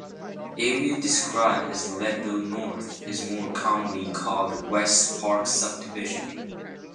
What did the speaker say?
The area described as Leadville North is more commonly called the West Park subdivision.